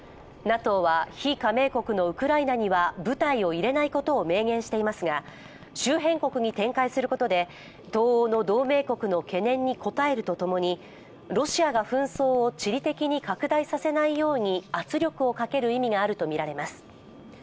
ＮＡＴＯは、非加盟国のウクライナには部隊を入れないことを明言していますが周辺国に展開することで東欧の同盟国の懸念に応えるとともに、ロシアが紛争を地理的に拡大させないように圧力をかける意味があるとみられます。